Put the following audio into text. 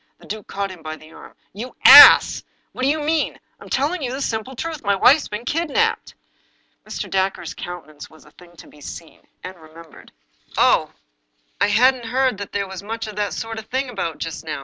The duke caught him by the arm. "You ass! What do you mean? I am telling you the simple truth. My wife's been kidnaped." Mr. Dacre's countenance was a thing to be seen— and remembered. 282 The Lost Duchess " Oh ! I hadn't heard that there was much of that sort of thing about just now.